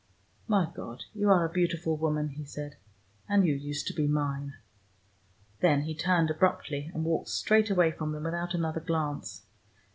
"My God, you are a beautiful woman!" he said. "And you used to be mine!" Then he turned abruptly, and walked straight away from them without another glance.